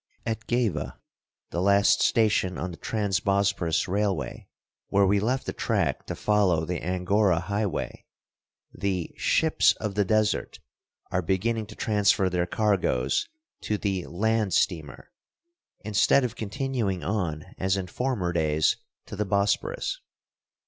At Geiveh, the last station on the Trans Bosporus Railway, where we left the track to follow the Angora highway, the "ships of the desert" are beginning to transfer their cargoes to the "land steamer," instead of continuing on as in former days to the Bosporus.